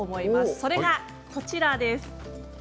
それが、こちらです。